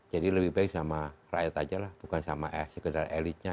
jadi lebih baik dengan rakyat aja lah bukan dengan sekedar elitnya